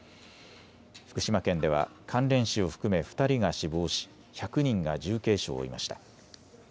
福島県では関連死を含め２人が死亡し１００人が重軽傷を負いました。